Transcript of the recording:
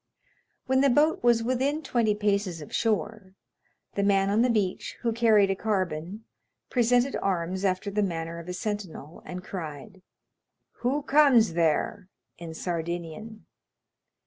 When the boat was within twenty paces of the shore, the man on the beach, who carried a carbine, presented arms after the manner of a sentinel, and cried, "Who comes there?" in Sardinian.